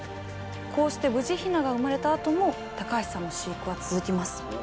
こうして無事ヒナが生まれたあとも高橋さんの飼育は続きます。